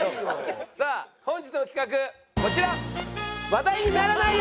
さあ本日の企画こちら。